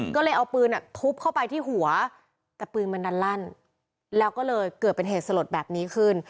ก็เลยเอาปืนทุบเข้าไปที่หัวแต่ปืนมันดันลั่นแล้วก็เลยเกิดเป็นเหตุสลดแบบนี้ขึ้น